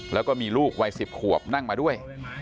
แล้วก็มีลูกวัย๑๐ขวบนั่งมาด้วย